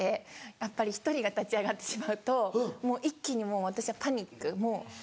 やっぱり１人が立ち上がってしまうともう一気にもう私はパニックもう。